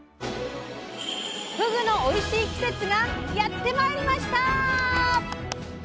「ふぐ」のおいしい季節がやってまいりました！